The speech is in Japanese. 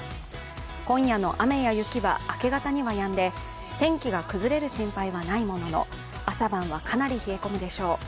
今夜の雨や雪は明け方にはやんで、天気が崩れる心配はないものの、朝晩はかなり冷え込むでしょう。